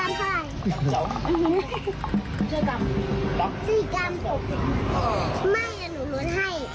เออได้เอาสิบเลย